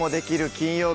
金曜日」